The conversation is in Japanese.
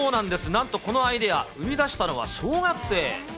なんとこのアイデア、生み出したのは、小学生。